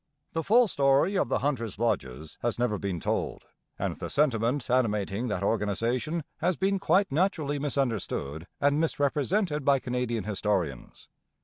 The full story of the 'Hunters' Lodges' has never been told, and the sentiment animating that organization has been quite naturally misunderstood and misrepresented by Canadian historians.